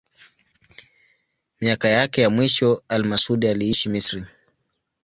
Miaka yake ya mwisho al-Masudi aliishi Misri.